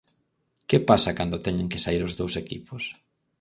¿Que pasa cando teñen que saír os dous equipos?